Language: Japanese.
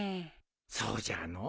そうじゃのう。